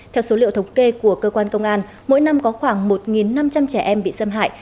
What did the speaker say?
theo số liệu thống kê của cơ quan công an mỗi năm có khoảng một năm trăm linh trẻ em bị xâm hại